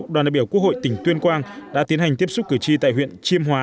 đoàn đại biểu quốc hội tỉnh tuyên quang đã tiến hành tiếp xúc cử tri tại huyện chiêm hóa